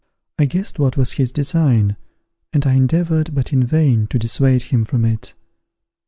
I guessed what was his design, and I endeavoured, but in vain, to dissuade him from it.